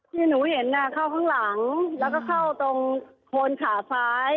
ที่หนูเห็นเข้าข้างหลังแล้วก็เข้าตรงโคนขาซ้าย